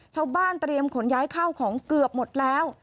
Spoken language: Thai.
ชาวบ้านเตรียมขนย้ายข้าวของเกือบหมดแล้ว